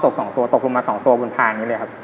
ลอต้องการตกมา๒ตัวกูลผ่านกันเลยครับ